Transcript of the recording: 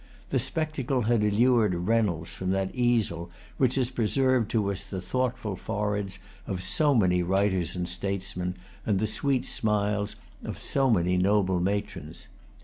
The spectacle had allured Reynolds from that easel which has preserved to us the thoughtful foreheads of so many writers and statesmen, and the sweet smiles of so many noble matrons.